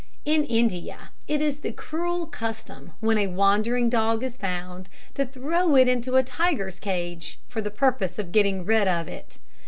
In India it is the cruel custom, when a wandering dog is found, to throw it into a tiger's cage for the purpose of getting rid of it.